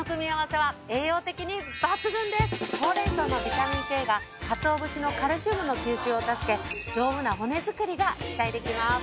ほうれん草のビタミンＫがかつお節のカルシウムの吸収を助け丈夫な骨作りが期待できます。